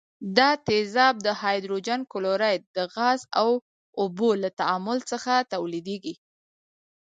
دا تیزاب د هایدروجن کلوراید د غاز او اوبو له تعامل څخه تولیدیږي.